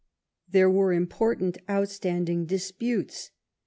There were important outstanding disputes.